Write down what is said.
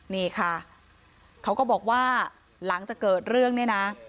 นี่ค่ะเขาก็บอกว่าหลังจากเกิดเรื่องเนี่ยนะ